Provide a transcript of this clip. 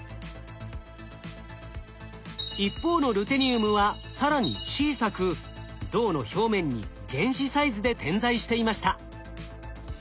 一方のルテニウムは更に小さく銅の表面に原子サイズで点在していました。